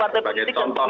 mengajar partai politik